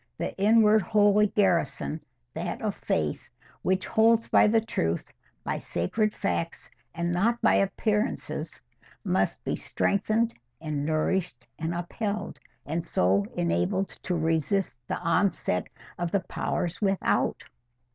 —The inward holy garrison, that of faith, which holds by the truth, by sacred facts, and not by appearances, must be strengthened and nourished and upheld, and so enabled to resist the onset of the powers without.